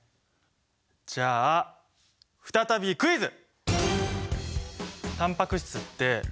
じゃあ再びクイズ！